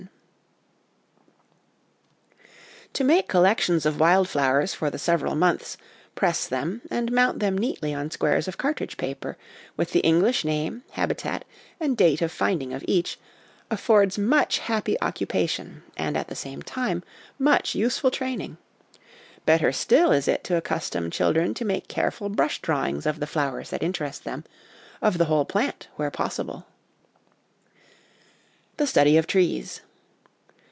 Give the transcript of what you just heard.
To 1 See Appendix A. 52 HOME EDUCATION make collections of wild flowers for the several months, press them, and mount them neatly on squares of cartridge paper, with the English name, habitat, and date of finding of each, affords much happy occupa tion and, at the same time, much useful training: better still is it to accustom children to make careful brush drawings of the flowers that interest them, of the whole plant where possible. The Study of Trees.